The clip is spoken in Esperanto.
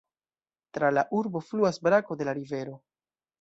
Tra la urbo fluas brako de la rivero.